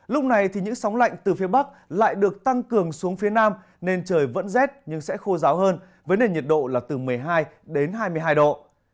lúc này thì những sóng lạnh từ phía bắc lại được tăng cường xuống phía nam nên trời vẫn rét nhưng sẽ khô ráo hơn với nền nhiệt độ là từ một mươi hai đến hai mươi hai độ